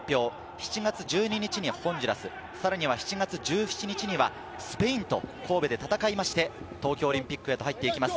７月１２日にホンジュラス、さらには７月１７日にはスペインと神戸で戦いまして、東京オリンピックへと入っていきます。